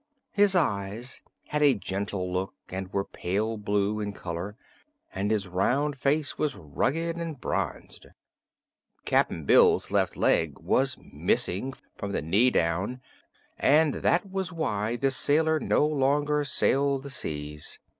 His eyes had a gentle look and were pale blue in color, and his round face was rugged and bronzed. Cap'n Bill's left leg was missing, from the knee down, and that was why the sailor no longer sailed the seas.